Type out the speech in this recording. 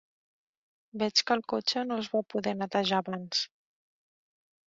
Veig que el cotxe no es va poder netejar abans.